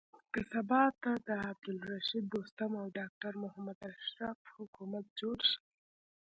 که سبا ته د عبدالرشيد دوستم او ډاکټر محمد اشرف حکومت جوړ شي.